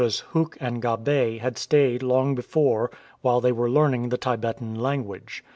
Hue and Gabet had stayed long before while they were learning the Tibetan language.